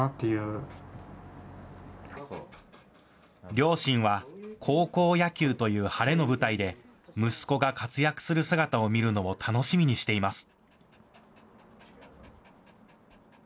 両親は高校野球という晴れの舞台で息子が活躍する姿を見るのを楽しみにしています。